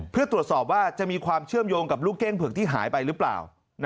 เพื่อตรวจสอบว่าจะมีความเชื่อมโยงกับลูกเก้งเผือกที่หายไปหรือเปล่า